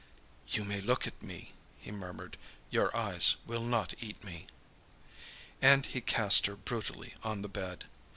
"You may look at me," he murmured. "Your eyes will not eat me." And he cast her brutally on the bed.